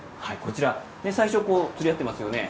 最初、つり合っていますよね。